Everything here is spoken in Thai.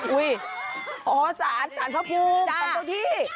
อุ๊ยอ๋อศาลภพภูมิศาลเจ้าที่